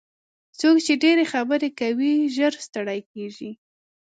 څوک چې ډېرې خبرې کوي ژر ستړي کېږي.